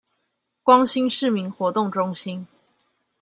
光興市民活動中心